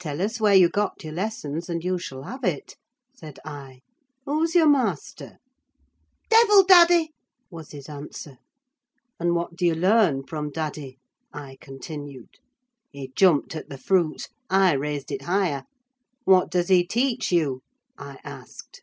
"Tell us where you got your lessons, and you shall have it," said I. "Who's your master?" "Devil daddy," was his answer. "And what do you learn from daddy?" I continued. He jumped at the fruit; I raised it higher. "What does he teach you?" I asked.